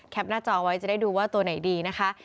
หน้าจอไว้จะได้ดูว่าตัวไหนดีนะคะ